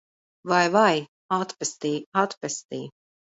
Vai, vai! Atpestī! Atpestī!